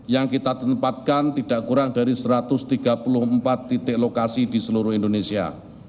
yang kita tempatkan tidak kurang dari satu ratus tiga puluh empat titik lokasi di seluruh indonesia